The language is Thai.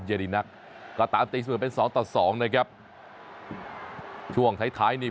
เดรินักก็ตามตีเสมอเป็นสองต่อสองนะครับช่วงท้ายท้ายนี่